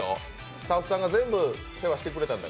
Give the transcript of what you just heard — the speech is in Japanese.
スタッフさんが全部世話してくれたんです。